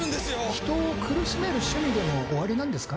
人を苦しめる趣味でもおありなんですか？